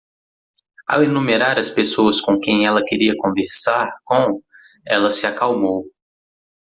Ao enumerar as pessoas com quem ela queria conversar com?, ela se acalmou.